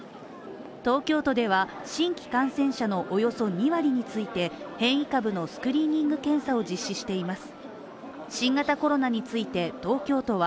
東京都では、新規感染者のおよそ２割について、変異株のスクリーニング検査を実施しています。